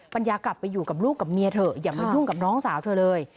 ปัญญากลับไปอยู่กับลูกกับเมียเถอะอย่ามายุ่งกับน้องสาวเธอเลย